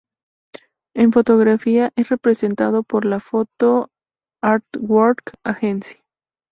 En fotografía, es representado por la Photo Artwork Agency.